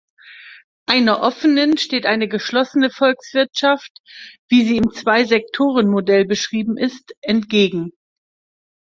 Einer offenen steht eine geschlossene Volkswirtschaft, wie sie im Zwei-Sektoren-Modell beschrieben ist, entgegen.